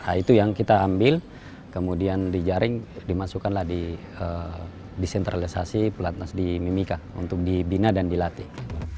nah itu yang kita ambil kemudian dijaring dimasukkanlah di desentralisasi pelatnas di mimika untuk dibina dan dilatih